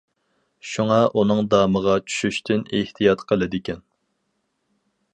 شۇڭا ئۇنىڭ دامىغا چۈشۈشتىن ئېھتىيات قىلىدىكەن.